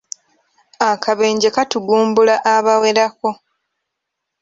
Akabenje katugumbula abawerako.